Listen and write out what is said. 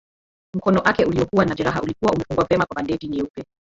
Mkono ake uliokuwa na jeraha ulikuwa umefungwa vema kwa bandeji nyeupe